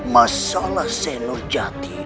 masalah seh nurjati